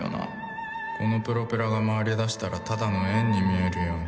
このプロペラが回りだしたらただの円に見えるように